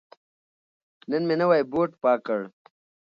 نن مې نوی بوټ پاک کړ.